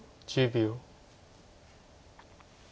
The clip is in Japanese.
１０秒。